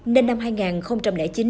nên năm hai nghìn chín